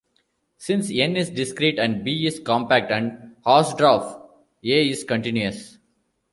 Since N is discrete and "B" is compact and Hausdorff, "a" is continuous.